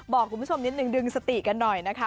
บอกคุณผู้ชมนิดนึงดึงสติกันหน่อยนะคะ